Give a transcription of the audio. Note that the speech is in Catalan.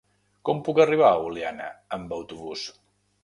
Com puc arribar a Oliana amb autobús?